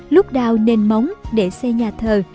lúc đào nền móng để xây nhà thờ